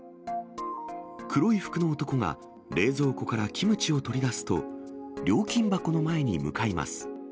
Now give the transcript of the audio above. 黒い服の男が、冷蔵庫からキムチを取り出すと、料金箱の前に向かいます。